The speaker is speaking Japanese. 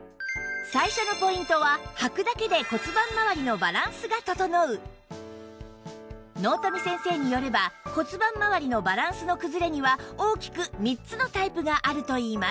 最初のポイントは納富先生によれば骨盤まわりのバランスの崩れには大きく３つのタイプがあるといいます